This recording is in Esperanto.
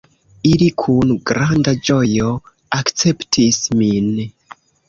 Ili kun granda ĝojo akceptis min.